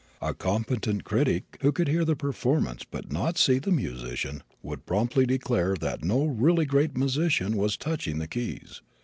A competent critic who could hear the performance but not see the musician would promptly declare that no really great musician was touching the keys.